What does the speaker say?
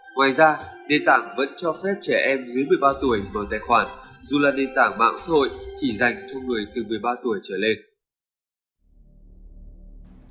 ngoài ra nền tảng vẫn cho phép trẻ em dưới một mươi ba tuổi mở tài khoản dù là nền tảng mạng xã hội chỉ dành cho người từ một mươi ba tuổi trở lên